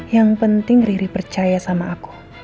yang penting riri percaya sama aku